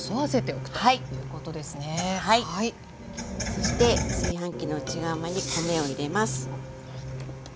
そして炊飯器の内釜に米を入れます。